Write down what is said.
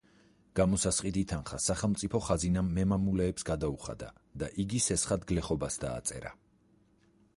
გამოსასყიდი თანხა სახელმწიფო ხაზინამ მემამულეებს გადაუხადა და იგი სესხად გლეხობას დააწერა.